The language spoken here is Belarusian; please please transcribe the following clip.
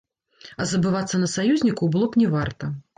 А забывацца на саюзнікаў было б не варта.